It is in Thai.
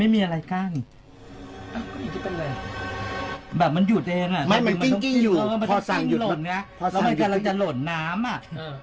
มันกำลังจะหล่นน้ำอ่ะ